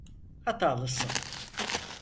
Hatalısın.